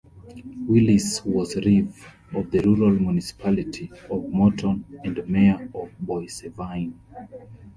Willis was reeve of the Rural Municipality of Morton and mayor of Boissevain.